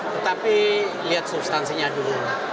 tetapi lihat substansinya dulu